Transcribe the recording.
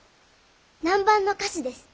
南蛮の菓子です。